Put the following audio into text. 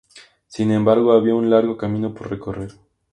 Sin embargo, había un largo camino por recorrer.